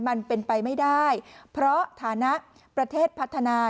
มันเป็นไปไม่ได้เพราะฐานะประเทศพัฒนา